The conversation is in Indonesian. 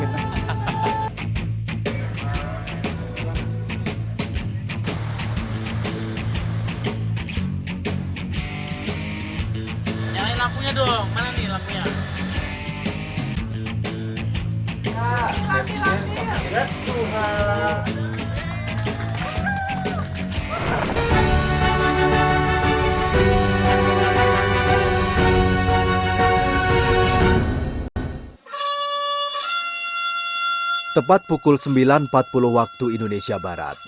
tepat pukul sembilan empat puluh waktu indonesia barat